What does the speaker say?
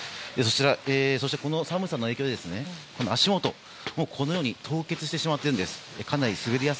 そして、この寒さの影響で足元もこのように凍結してしまっているんです。